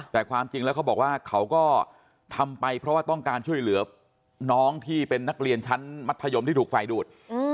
แต่ความจริงแล้วเขาบอกว่าเขาก็ทำไปเพราะว่าต้องการช่วยเหลือน้องที่เป็นนักเรียนชั้นมัธยมที่ถูกไฟดูด